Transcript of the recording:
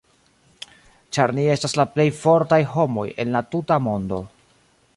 Ĉar ni estas la plej fortaj homoj en la tuta mondo.